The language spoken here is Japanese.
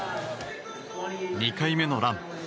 ２回目のラン。